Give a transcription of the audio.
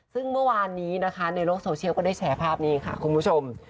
ซึ่งเมื่อวานนี้นะคะในโลกโซเชียลก็ได้แชร์ภาพนี้ค่ะคุณผู้ชม